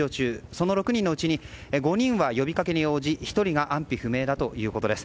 その６人のうち５人は呼びかけに応じ１人が安否不明だということです。